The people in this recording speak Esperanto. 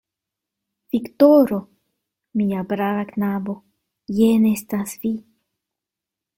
Viktoro! mia brava knabo, jen estas vi!